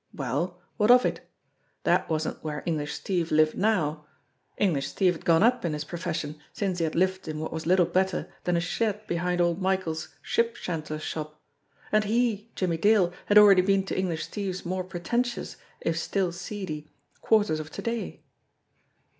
Well, what of it? That wasn't where English Steve lived now. English Steve had gone up in his profession since he had lived in what was little better than a shed behind old Michael's ship chandler's shop. And he, Jimmie Dale, had already been to English Steve's more pre tentious, if still seedy, quarters of to day.